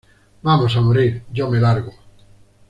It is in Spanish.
Vamos a morir. Yo me largo.